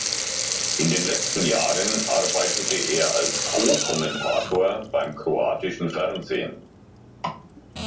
In den letzten Jahren arbeitet er als Co-Kommentator beim kroatischen Fernsehen.